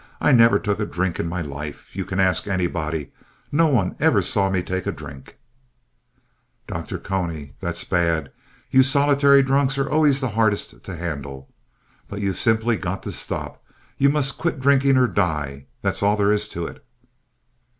I never took a drink in my life. You can ask anybody. Nobody ever saw me take a drink. DR. CONY That's bad. You solitary drunkards are always the hardest to handle. But you've simply got to stop. You must quit drinking or die, that's all there is to it.